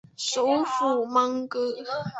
首府蒙戈。